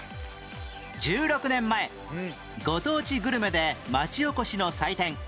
１６年前ご当地グルメでまちおこしの祭典